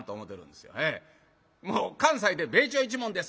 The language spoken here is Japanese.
もう関西で「米朝一門です」